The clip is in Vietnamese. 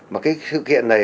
một cái sự kiện này